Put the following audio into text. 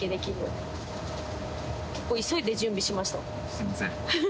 すいません。